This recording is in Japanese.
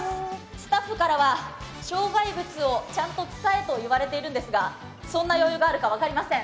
スタッフからは障害物をちゃんと使えと言われていますがそんな余裕があるか分かりません。